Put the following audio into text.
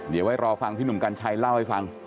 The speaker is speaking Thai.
เดี๋ยวไว้รอฟังพี่หนุ่มกัญชัยเล่าให้ฟัง